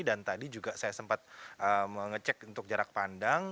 dan tadi juga saya sempat mengecek untuk jarak pandang